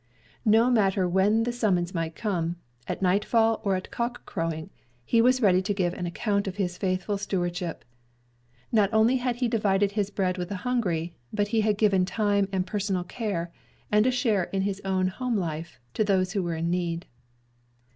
No matter when the summons might come, at nightfall or at cock crowing, he was ready to give an account of his faithful stewardship. Not only had he divided his bread with the hungry, but he had given time and personal care, and a share in his own home life, to those who were in need.